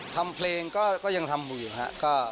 ทำเพลงก็ยังทำอยู่ครับ